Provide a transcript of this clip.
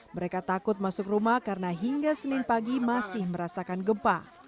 mereka takut masuk rumah karena hingga senin pagi masih merasakan gempa